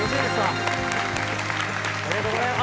ありがとうございます。